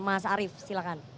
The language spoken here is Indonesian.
mas arief silakan